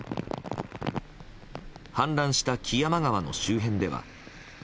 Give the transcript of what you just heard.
氾濫した木山川の周辺では。